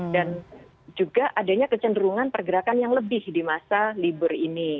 dan juga adanya kecenderungan pergerakan yang lebih di masa libur ini